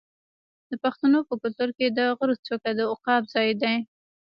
د پښتنو په کلتور کې د غره څوکه د عقاب ځای دی.